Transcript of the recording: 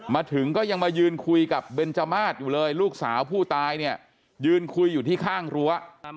มาถึงก็ยังมายืนคุยกับเบนจมาสอยู่เลยลูกสาวผู้ตายเนี่ยยืนคุยอยู่ที่ข้างรั้ว